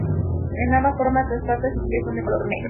En ambas formas las patas y pies son de color negro.